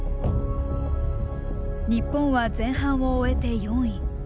日本は前半を終えて４位。